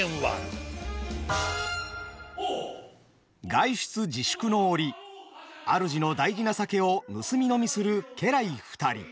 外出自粛の折主の大事な酒を盗み飲みする家来二人。